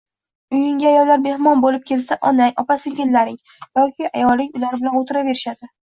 Uyinga ayollar mehmon boʻlib kelsa onang, opa-singillaring yoki ayoling ular bilan oʻtiraverishadi.